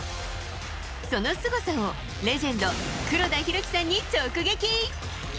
そのすごさをレジェンド、黒田博樹さんに直撃。